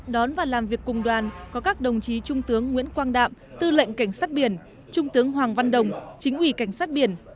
đón và làm việc cùng đoàn có các đồng chí trung tướng nguyễn quang đạm tư lệnh cảnh sát biển trung tướng hoàng văn đồng chính ủy cảnh sát biển